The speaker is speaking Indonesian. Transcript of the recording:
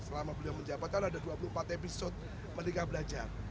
selama beliau menjabat kan ada dua puluh empat episode merdeka belajar